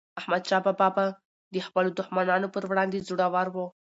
احمدشاه بابا به د خپلو دښمنانو پر وړاندي زړور و.